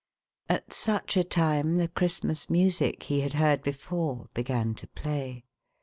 At such a time, the Christmas music he had heard lx?fore, began to play.